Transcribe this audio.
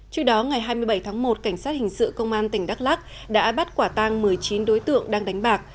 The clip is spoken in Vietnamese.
trước đó ngày hai mươi bảy tháng một cảnh sát hình sự công an tỉnh đắk lắc đã bắt quả tang một mươi chín đối tượng đang đánh bạc